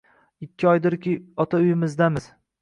Ikki oydirki, ota uyimizdamiz